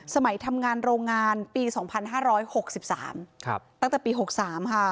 สมัยทำงานโรงงานปี๒๕๖๓ตั้งแต่ปี๖๓ค่ะ